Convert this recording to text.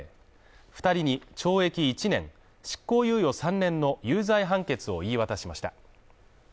２人に懲役１年、執行猶予３年の有罪判決を言い渡しました。